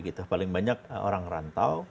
nah ini sudah paling banyak orang rantau